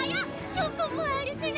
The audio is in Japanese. チョコもあるずら！